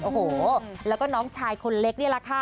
โอ้โหแล้วก็น้องชายคนเล็กนี่แหละค่ะ